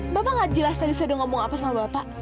bapak gak jelas tadi saya udah ngomong apa sama bapak